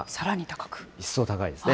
一層高いですね。